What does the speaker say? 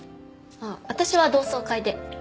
あっ私は同窓会で。